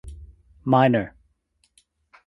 Minor.